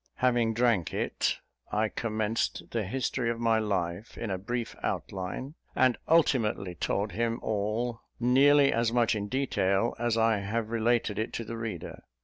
Having drank it, I commenced the history of my life in a brief outline, and ultimately told him all; nearly as much in detail as I have related it to the reader.